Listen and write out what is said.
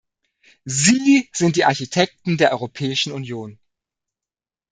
Sie sind die Architekten der Europäischen Union.